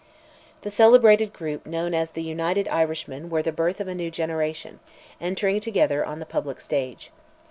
The celebrated group known to us as "the United Irishmen," were the birth of a new generation, entering together on the public stage.